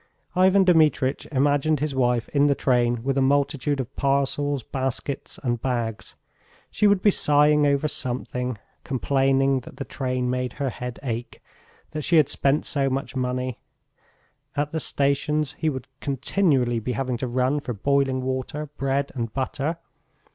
Ivan Dmitritch imagined his wife in the train with a multitude of parcels, baskets, and bags; she would be sighing over something, complaining that the train made her head ache, that she had spent so much money.... At the stations he would continually be having to run for boiling water, bread and butter....